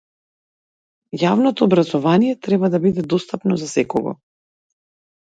Јавното образование треба да биде достапно за секого.